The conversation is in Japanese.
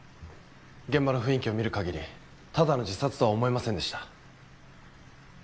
現場の雰囲気を見る限りただの自殺とは思えませんでした。